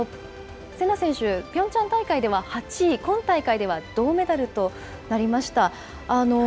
せな選手、ピョンチャン大会では８位、今大会では銅メダルとなりました。